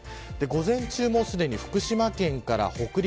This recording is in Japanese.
午前中、すでに福島県から北陸